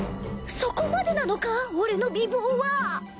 そこまでなのか俺の美貌は